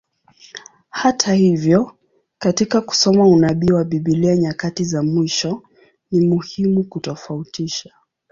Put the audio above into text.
Hata hivyo, katika kusoma unabii wa Biblia nyakati za mwisho, ni muhimu kutofautisha.